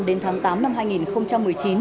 đến tháng tám năm hai nghìn một mươi chín